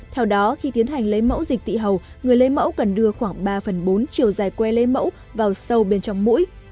theo đó khi tiến hành lấy mẫu dịch tị hầu người lấy mẫu cần đưa khoảng ba phần bốn chiều dài que lấy mẫu vào sâu bên trong mũi